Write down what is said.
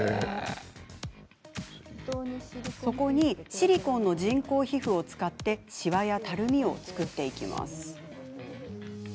そこにシリコンの人工皮膚を使ってしわやたるみを作っていきます。